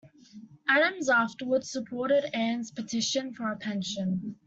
Adams afterward supported Anne's petition for a pension.